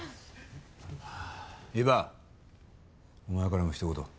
伊庭お前からもひと言。